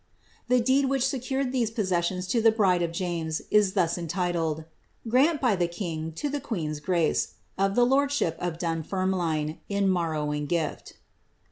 "* The deed which secured these possessions to the bride of James, is thus entitled, ^^ Grant by the king, to the queen's gmee, of the lordship of Dunfermline, in morrowmg gift."'